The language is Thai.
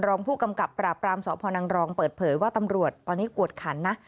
รองผู้กำกับปราบรามสพนังรองเปิดเผยว่าตำรวจตอนนี้กวดขันนะ